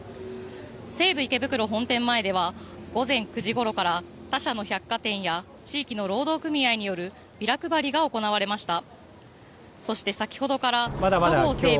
西武池袋本店前では午前９時ごろから他社の百貨店や地域の労働組合によるビラ配りが行われました。